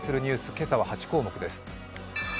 今朝は８項目です。